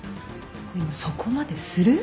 でもそこまでする？